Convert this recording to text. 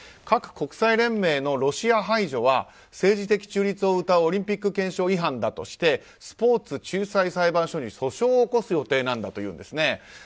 各国際連盟のロシア排除は政治的中立をうたうオリンピック憲章違反だとしてスポーツ仲裁裁判所に訴訟を起こす予定だということです。